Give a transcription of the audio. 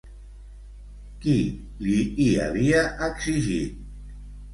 Qui li hi havia exigit?